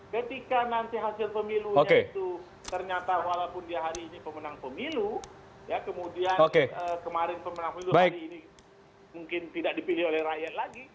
ketika nanti hasil pemilunya itu ternyata walaupun dia hari ini pemenang pemilu ya kemudian kemarin pemenang pemilu hari ini mungkin tidak dipilih oleh rakyat lagi